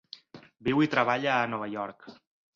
Viu i treballa a Nova York.